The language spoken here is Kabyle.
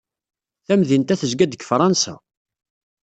Tamdint-a tezga-d deg Fṛansa.